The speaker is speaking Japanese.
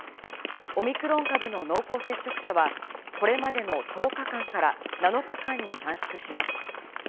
オミクロン株の濃厚接触者は、これまでの１０日間から、７日間に短縮します。